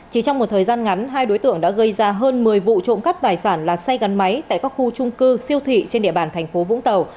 chỉ trong một thời gian ngắn hai đối tượng đã gây ra hơn một mươi vụ trộm cắp tài sản là xe gắn máy tại các khu trung cư siêu thị trên địa bàn thành phố vũng tàu